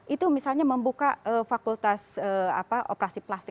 itu misalnya membuka fakultas operasi plastik